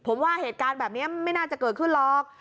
ผมว่าเหตุการณ์แบบนี้ไม่น่าจะเกิดขึ้นหรอก